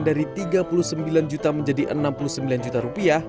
dari tiga puluh sembilan juta menjadi enam puluh sembilan juta rupiah